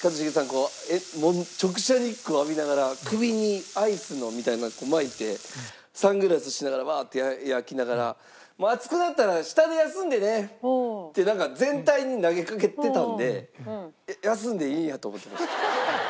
こう直射日光浴びながら首にアイスのみたいなのを巻いてサングラスしながらバッて焼きながら「暑くなったら下で休んでね」って全体に投げかけてたんで休んでいいんやと思ってました。